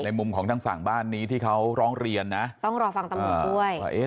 มุมของทางฝั่งบ้านนี้ที่เขาร้องเรียนนะต้องรอฟังตำรวจด้วย